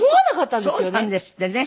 そうなんですってね。